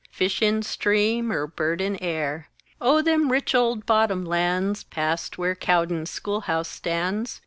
Fish in stream, er bird in air! O them rich old bottom lands, Past where Cowden's Schoolhouse stands!